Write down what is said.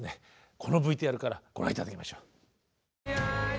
このＶＴＲからご覧頂きましょう。